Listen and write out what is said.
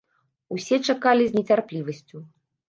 Усе чакалі з нецярплівасцю.